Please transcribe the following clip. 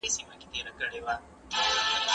هغه یو داسې پنځګر و چې په کلماتو یې جادو کاوه.